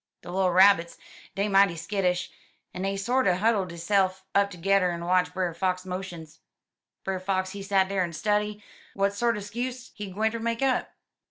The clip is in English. De little Rabbits, dey mighty skittish, en dey sorter huddle deyse'f up tergedder en watch Brer Fox motions. Brer Fox, he set dar en study w'at sorter *skuse he gwinter make up.